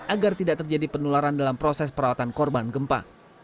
agar tidak terjadi penularan dalam proses perawatan korban gempa